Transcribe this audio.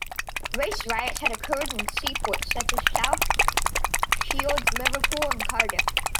Race riots had occurred in seaports such as South Shields, Liverpool and Cardiff.